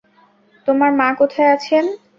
তোমার মা কোথায় আছেন?